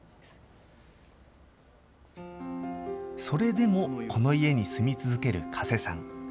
それでもこの家に住み続ける加瀬さん。